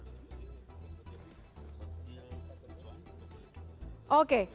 pak amali kalau melihat dari seleksi